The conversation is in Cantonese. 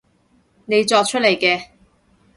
你作出嚟嘅